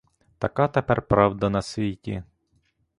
Така тепер правда на світі.